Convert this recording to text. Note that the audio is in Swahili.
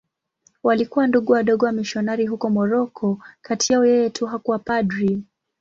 Walikuwa Ndugu Wadogo wamisionari huko Moroko.Kati yao yeye tu hakuwa padri.